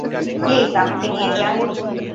Please আমাকে নিয়ে যান।